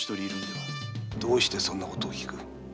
どうしてそんなことを聞く？